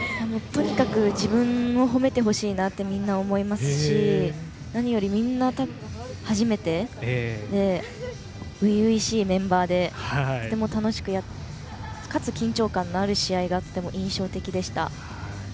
とにかく自分を褒めてほしいなってみんな、思いますし何より、初めてで初々しいメンバーでとても楽しくやってかつ緊張感のある試合がとても印象的でした。